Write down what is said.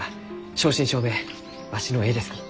正真正銘わしの絵ですき。